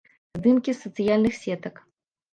Здымкі з сацыяльных сетак.